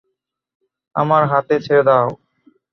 আমার হাতে ছেড়ে দাও!